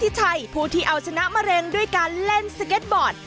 ชัยผู้ที่เอาชนะมะเร็งด้วยการเล่นสเก็ตบอร์ด